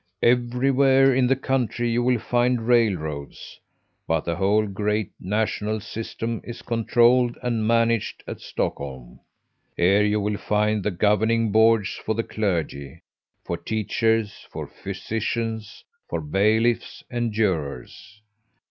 Everywhere in the country you will find railroads, but the whole great national system is controlled and managed at Stockholm; here you will find the governing boards for the clergy, for teachers, for physicians, for bailiffs and jurors.